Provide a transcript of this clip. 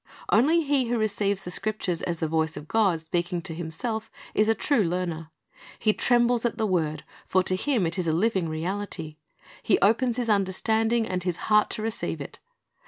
"^ Only he who receives the Scriptures as the voice of God speaking to himself is a true learner. He trembles at the word; for to him it is a lixing reality. He opens his under standing and his heart to receive it.